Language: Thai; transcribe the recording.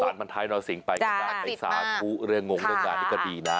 สรรพันธุ์ท้ายนอสิงห์ไปกันได้ไปสรรพุธเรืองงกันก็ดีนะ